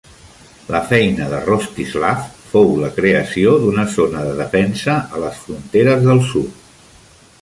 La feina de Rostislav fou la creació d'una zona de defensa a les fronteres del sud.